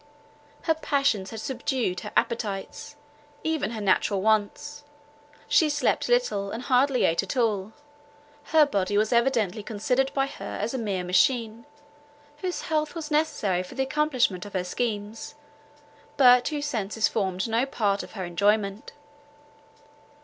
Her passions had subdued her appetites, even her natural wants; she slept little, and hardly ate at all; her body was evidently considered by her as a mere machine, whose health was necessary for the accomplishment of her schemes, but whose senses formed no part of her enjoyment.